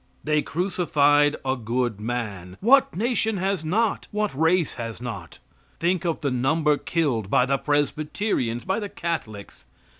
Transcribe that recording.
They crucified a good man. What nation has not? What race has not? Think of the number killed by the Presbyterians; by the Catholics.